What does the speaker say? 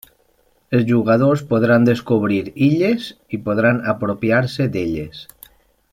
Els jugadors podran descobrir illes i podran apropiar-se d'elles.